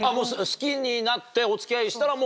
好きになってお付き合いしたらもう。